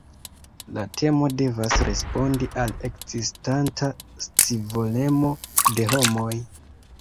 La temo devas respondi al ekzistanta scivolemo de homoj.